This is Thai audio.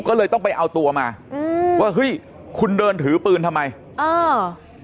ก็เลยต้องไปเอาตัวมาอืมว่าเฮ้ยคุณเดินถือปืนทำไมเออ